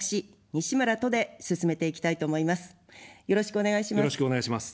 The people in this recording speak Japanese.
よろしくお願いします。